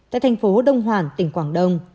tại thành phố đông hoàn tỉnh quảng đông